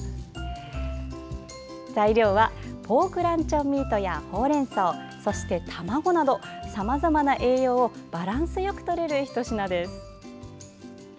材料はポークランチョンミートやほうれんそう、そして卵などさまざまな栄養をバランスよくとれるひと品です。